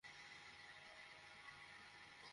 তোমার কাছে সিগারেট আছে?